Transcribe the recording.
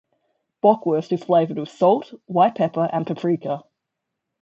Bockwurst is flavored with salt, white pepper and paprika.